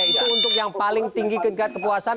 itu untuk yang paling tinggi tingkat kepuasan